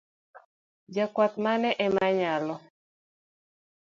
Jakwath mane ema yalo?